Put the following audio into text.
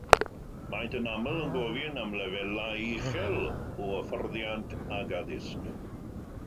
Maent yn aml yn gofyn am lefelau uchel o hyfforddiant ac addysg.